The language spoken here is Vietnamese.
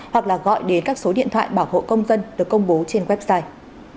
hoặc là gọi đến các số điện thoại bảo hộ công dân được công bố trên website